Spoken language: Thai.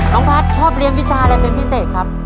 พัฒน์ชอบเรียนวิชาอะไรเป็นพิเศษครับ